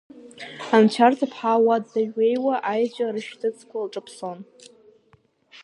Анцәа рҭыԥҳа уа длеи-ҩеиуан, аеҵәа рышәҭыцқәа лҿаԥсон.